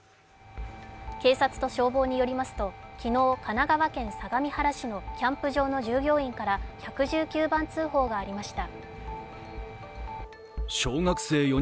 警察と消防によりますと、昨日、神奈川県相模原市のキャンプ場の従業員から１１９番通報がありました。